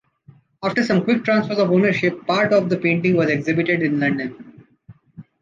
After some quick transfers of ownership, part of the paintings was exhibited in London.